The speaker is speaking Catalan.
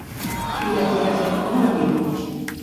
De què ha fet memòria Puig?